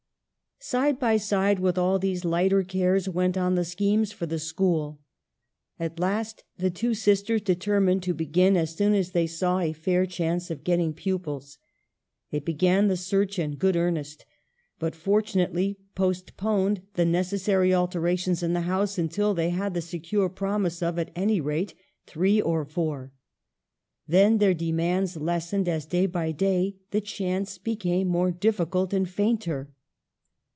Side by side with all these lighter cares went on the schemes for the school. At last the two sisters determined to begin as soon as they saw a fair chance of getting pupils. They began the search in good earnest ; but fortunately, postponed the necessary alterations in the house until they had the secure promise of, at any rate, three or four. Then their demands lessened as day by day that chance became more difficult and fainter.